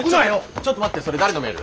ちょっと待ってそれ誰のメール？